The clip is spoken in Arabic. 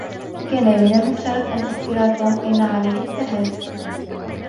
كان من المفترض أن أخبر توم أين عليه الذهاب.